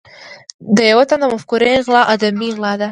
د یو تن د مفکورې غلا ادبي غلا ده.